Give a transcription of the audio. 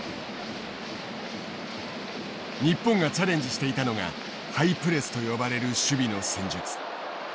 日本がチャレンジしていたのがハイプレスと呼ばれる守備の戦術。